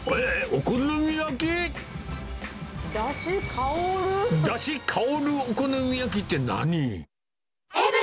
お好み焼き？だし香るお好み焼きって何？